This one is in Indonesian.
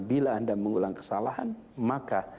bila anda mengulang kesalahan maka